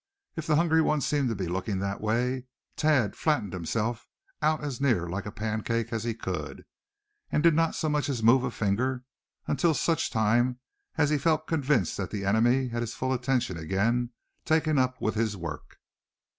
If the hungry one seemed to be looking that way, Thad flattened himself out as near like a pancake as he could, and did not so much as move a finger until such time as he felt convinced that the enemy had his full attention again taken up with his work.